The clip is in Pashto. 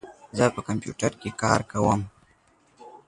زه په کمپیوټر کې کار کوم.